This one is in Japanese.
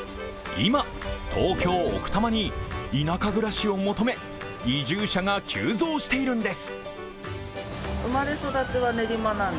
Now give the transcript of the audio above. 今、東京・奥多摩に田舎暮らしを求め移住者が急増しているんです。